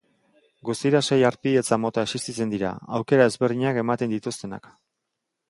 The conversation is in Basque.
Guztira sei harpidetza mota existitzen dira, aukera ezberdinak ematen dituztenak.